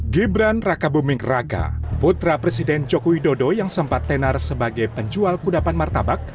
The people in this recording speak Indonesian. gibran raka buming raka putra presiden joko widodo yang sempat tenar sebagai penjual kudapan martabak